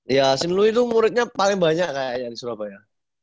iya sin lui itu muridnya paling banyak kayaknya di surabaya